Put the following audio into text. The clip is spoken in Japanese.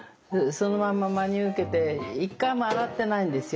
そのまんま真に受けて一回も洗ってないんですよ